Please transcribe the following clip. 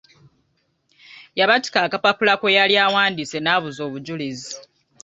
Yabatika akapapula kwe yali awandiise n'abuza obujulizi.